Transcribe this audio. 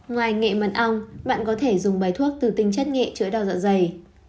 ngoài nghệ mặt ong bạn có thể dùng bài thuốc từ tinh chất nghệ chữa đau dạ dày